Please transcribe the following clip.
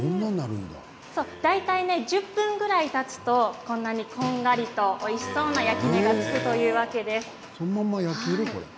大体１０分ぐらいたつとこんなにこんがりとおいしそうな焼き目がつくというわけです。